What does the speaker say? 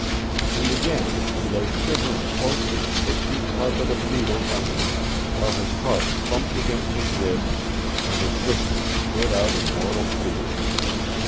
And again he lay shivering close to the foot deep carpet of needles under him, while his heart thumped against his ribs, and his whiskers stood out in mortal fear.